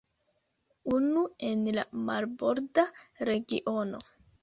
Unu en la marborda regiono.